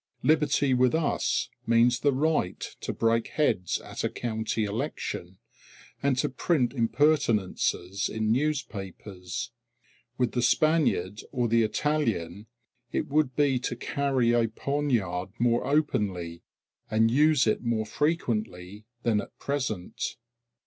Liberty with us means the right to break heads at a county election, and to print impertinences in newspapers. With the Spaniard or the Italian it would be to carry a poniard more openly, and use it more frequently than at present.